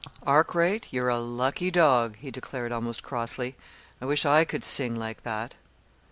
"Arkwright, you're a lucky dog," he declared almost crossly. "I wish I could sing like that!"